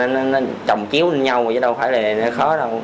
nó trồng chiếu lên nhau mà chứ đâu phải là khó đâu